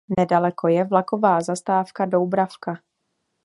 Nedaleko je vlaková zastávka Doubravka.